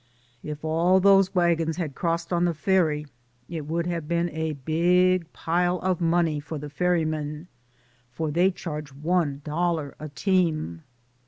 If all those wagons had crossed on the ferry it would have been a big pile of money for the ferrymen, for they charge one dollar a team.